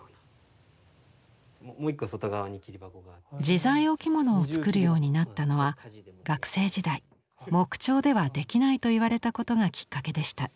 自在置物を作るようになったのは学生時代木彫ではできないと言われたことがきっかけでした。